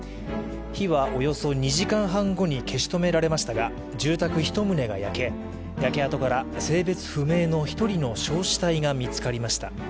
火はおよそ２時間半後に消し止められましたが住宅１棟が焼け焼け跡から性別不明の１人の焼死体が見つかりました。